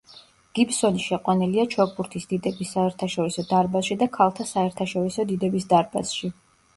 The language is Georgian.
გიბსონი შეყვანილია ჩოგბურთის დიდების საერთაშორისო დარბაზში და ქალთა საერთაშორისო დიდების დარბაზში.